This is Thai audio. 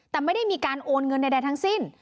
แต่ไม่ได้มีการโอนเงินใดทั้งสิ้น